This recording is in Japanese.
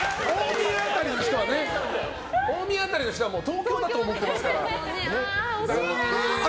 大宮辺りの人は東京だと思ってますから。